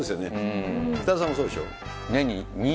ヒデさんもそうでしょ。